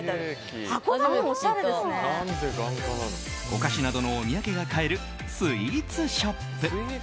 お菓子などのお土産が買えるスイーツショップ。